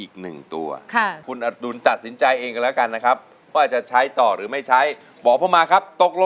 คุณอดุลจะใช้หรือไม่ใช้ครับ